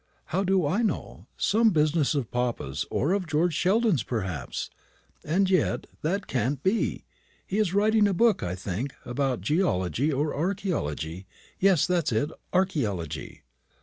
"How do I know? Some business of papa's, or of George Sheldon's, perhaps. And yet that can't be. He is writing a book, I think, about geology or archaeology yes, that's it, archaeology."